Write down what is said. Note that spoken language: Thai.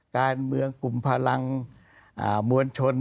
การเมืองกลุ่มพลังมวลชน